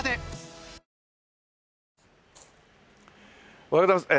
おはようございます。